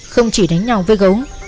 không chỉ đánh nhau với gấu